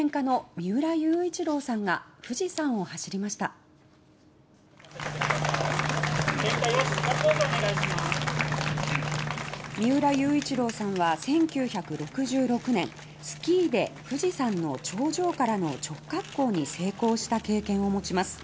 三浦雄一郎さんは１９６６年スキーで富士山の頂上からの直滑降に成功した経験を持ちます。